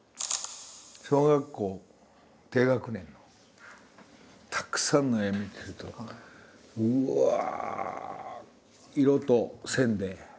小学校低学年のたくさんの絵見てるとうわ色と線で。